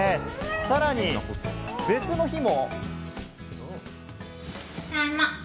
さらに別の日も。